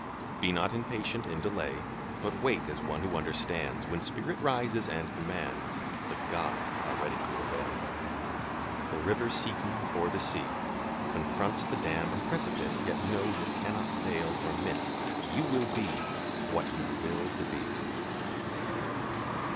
Be not impatient in delay, But wait as one who understands; When spirit rises and commands, The gods are ready to obey. The river seeking for the sea Confronts the dam and precipice, Yet knows it cannot fail or miss; You will be what you will to be!